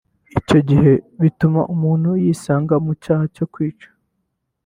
icyo gihe bituma umuntu yisanga mu cyaha cyo kwica